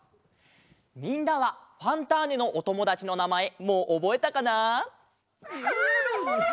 みんなは「ファンターネ！」のおともだちのなまえもうおぼえたかな？